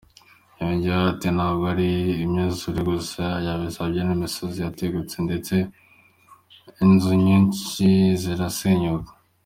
Yongeyeho ati “Ntabwo ari imyuzure gusa yahibasiye, n’imisozi yatengutse ndetse inzu nyinshi zirasenyuka.